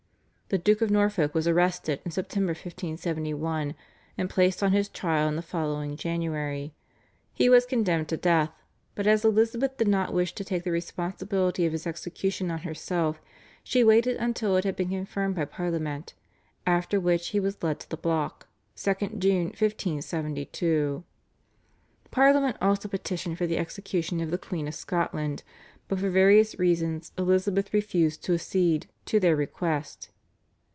The Duke of Norfolk was arrested in September 1571, and placed on his trial in the following January. He was condemned to death, but as Elizabeth did not wish to take the responsibility of his execution on herself she waited until it had been confirmed by Parliament, after which he was led to the block (2nd June 1572). Parliament also petitioned for the execution of the Queen of Scotland, but for various reasons Elizabeth refused to accede to their request.